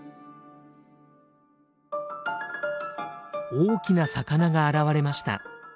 大きな魚が現れました。